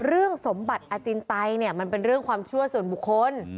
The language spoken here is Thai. สมบัติอจินไตเนี่ยมันเป็นเรื่องความเชื่อส่วนบุคคล